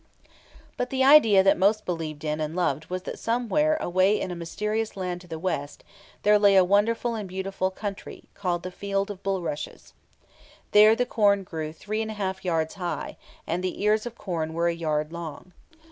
But the idea that most believed in and loved was that somewhere away in a mysterious land to the west, there lay a wonderful and beautiful country, called the Field of Bulrushes. There the corn grew three and a half yards high, and the ears of corn were a yard long.